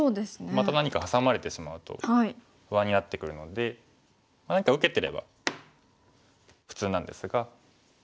また何かハサまれてしまうと不安になってくるので何か受けてれば普通なんですが。